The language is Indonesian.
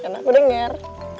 karena aku dengar